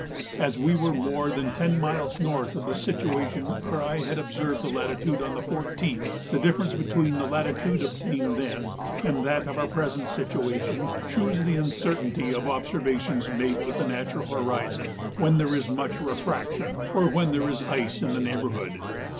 As we were more than ten miles north of the situation where I had observed the latitude on the 14th, the difference between the latitude obtained then and that of our present situation shews the uncertainty of observations made with the natural horizon when there is much refraction, or when there is ice in the neighbourhood.